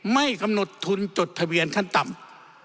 ไม่กำหนดทุนจดทะเบียนขั้นต่ำ